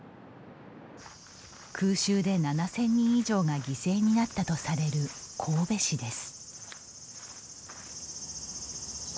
空襲で７０００人以上が犠牲になったとされる神戸市です。